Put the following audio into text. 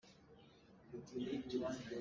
Kan Ngakchiat lioah capawl lakah kan i bual tawn.